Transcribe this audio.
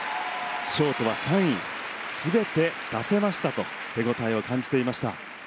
ショートは３位全て出せましたと手応えを感じていました。